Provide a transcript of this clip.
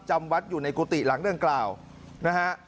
จำวัดอยู่ในกุฏิหลังดังกล่าวนะฮะ